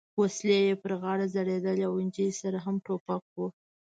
وسلې یې پر غاړه ځړېدې او نجلۍ سره هم ټوپک و.